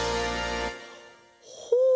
ほう！